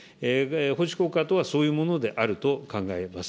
法治国家とはそういうものであると考えます。